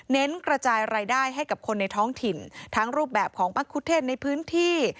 กระจายรายได้ให้กับคนในท้องถิ่นทั้งรูปแบบของมะคุเทศในพื้นที่